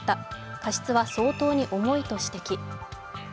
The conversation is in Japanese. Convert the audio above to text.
過失は相当に重いと指摘。